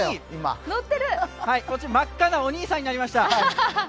真っ赤なお兄さんになりました。